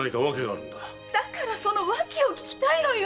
だからその訳を聞きたいのよ！